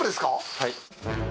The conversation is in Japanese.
はい。